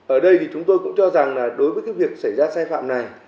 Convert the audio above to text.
ở đây thì chúng tôi cũng cho rằng là đối với cái việc xảy ra sai phạm này